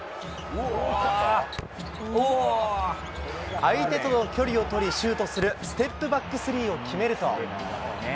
相手との距離を取りシュートする、ステップバックスリーを決めると。